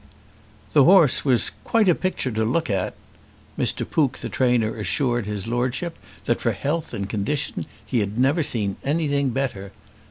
The horse was quite a "picture to look at." Mr. Pook the trainer assured his Lordship that for health and condition he had never seen anything better.